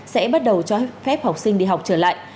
sẽ bắt đầu cho phép học sinh đi học trở lại